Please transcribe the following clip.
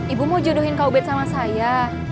ibu mau jodohin kau bed sama saya